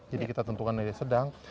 jadi kita tentukan sedang